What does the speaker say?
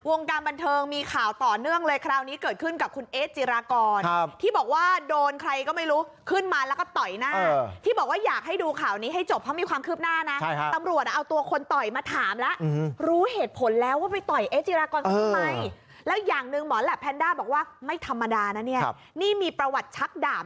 การบันเทิงมีข่าวต่อเนื่องเลยคราวนี้เกิดขึ้นกับคุณเอ๊จิรากรที่บอกว่าโดนใครก็ไม่รู้ขึ้นมาแล้วก็ต่อยหน้าที่บอกว่าอยากให้ดูข่าวนี้ให้จบเพราะมีความคืบหน้านะตำรวจเอาตัวคนต่อยมาถามแล้วรู้เหตุผลแล้วว่าไปต่อยเอ๊ะจิรากรเขาทำไมแล้วอย่างหนึ่งหมอแหลปแพนด้าบอกว่าไม่ธรรมดานะเนี่ยนี่มีประวัติชักดาบ